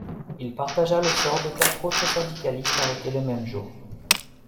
Il partagea le sort de quatre autres syndicalistes arrêté le même jour.